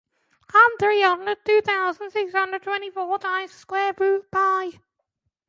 They dropped out of both the Italian and French "Grands Prix".